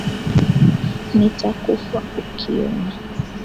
Nitakufa ukiona